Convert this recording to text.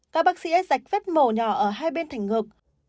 các bác sĩ ấy dạy vết mổ nhỏ ở hai bên thanh ngực